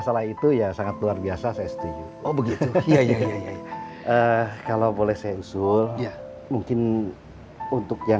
salah itu ya sangat luar biasa saya setuju oh begitu iya kalau boleh saya usul ya mungkin untuk yang